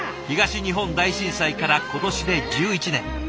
東日本大震災から今年で１１年。